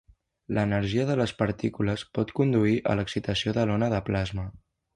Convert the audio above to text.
L'energia de les partícules pot conduir a l'excitació de l'ona de plasma.